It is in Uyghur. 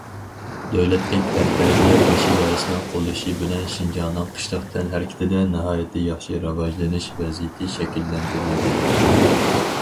دۆلەتلىك تەنتەربىيە باش ئىدارىسىنىڭ قوللىشى بىلەن شىنجاڭنىڭ قىشلىق تەنھەرىكىتىدە ناھايىتى ياخشى راۋاجلىنىش ۋەزىيىتى شەكىللەندۈرۈلدى.